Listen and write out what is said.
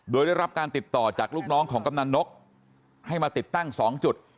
โดยได้รับการติดต่อจากลูกน้องของกำนันนกให้มาติดตั้ง๒จุด